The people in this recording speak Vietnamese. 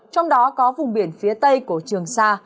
trong đó có vùng biển phía tây của trường sa